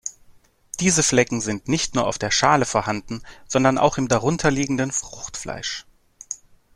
Diese Flecken sind nicht nur auf der Schale vorhanden, sondern auch im darunterliegenden Fruchtfleisch.